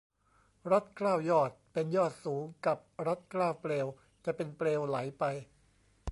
รัดเกล้ายอดเป็นยอดสูง กับรัดเกล้าเปลว จะเป็นเปลวไหลไป